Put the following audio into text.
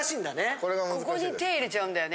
ここに手入れちゃうんだよね。